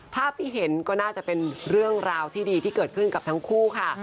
ภาพที่เห็นก็น่าจะเป็นเรื่องราวที่ดีที่เกิดขึ้นกับทั้งคู่ค่ะ